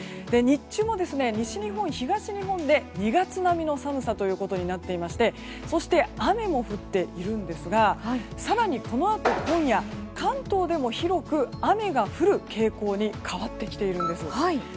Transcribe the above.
日中も西日本、東日本で２月並みの寒さとなっていましてそして、雨も降っているんですが更に、このあと今夜関東でも広く雨が降る傾向に変わってきているんです。